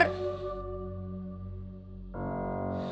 kalau kamu di sini